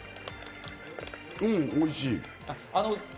うん、おいしい。